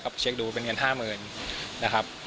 ก็ไปเช็คดูเป็นเงิน๕๐๐๐๐บาท